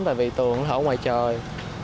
tại vì tường ở ngoài trời